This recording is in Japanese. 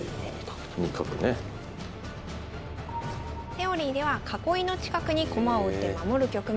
セオリーでは囲いの近くに駒を置いて守る局面。